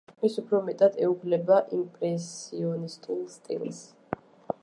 ის უფრო მეტად ეუფლება იმპრესიონისტულ სტილს.